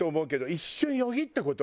一瞬？